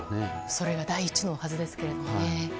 それが第一のはずですけどね。